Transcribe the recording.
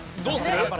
どうする？